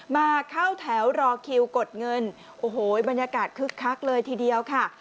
มาเข้าแถวรอคิวกดเงินโอ้โหบรรยากาศคึกคักเลยทีเดียวค่ะ